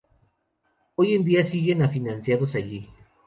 Hoy en día siguen afincados allí.